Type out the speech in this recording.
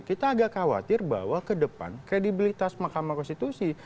kita agak khawatir bahwa kedepan kredibilitas mahkamah konstitusi